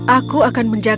aku akan menjagamu